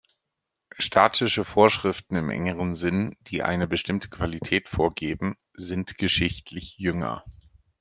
Statische Vorschriften im engeren Sinn, die eine bestimmte Qualität vorgeben, sind geschichtlich jünger.